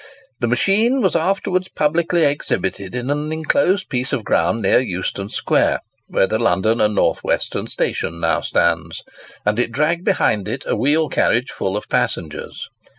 The machine was afterwards publicly exhibited in an enclosed piece of ground near Euston Square, where the London and North Western Station now stands, and it dragged behind it a wheel carriage full of passengers.